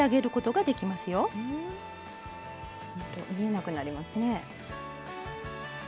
ほんと見えなくなりますね。